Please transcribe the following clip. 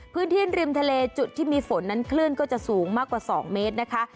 พื้นที่ริมทะเลจุดที่มีฝนนั้นคลื่นก็จะสูงมากกว่า๒เมตรนะคะ